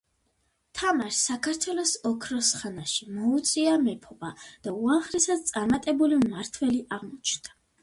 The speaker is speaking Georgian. თამარს საქართველოს ოქროს ხანაში მოუწია მეფობა და უაღრესად წარმატებული მმართველი აღმოჩნდა.